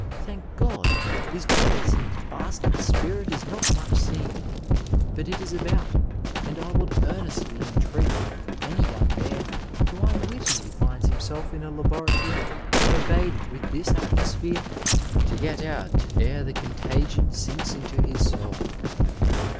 Thank Grod I this base and bastard spirit is not much seen, but it is about, and I would eamestiy entreat any young man who unwittingly finds himself in a laboratory pervaded with this atmosphere, to get out ere the contagion sinks into his soul.